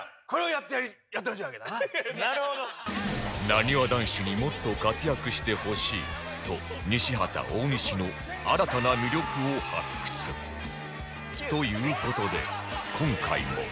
なにわ男子にもっと活躍してほしいと西畑大西の新たな魅力を発掘という事で今回も